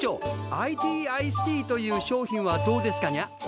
ＩＴアイスティーという商品はどうですかにゃ？